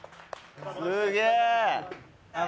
すげえ！